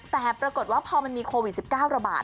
แต่ปรากฏว่าพอมันมีโควิด๑๙ระบาด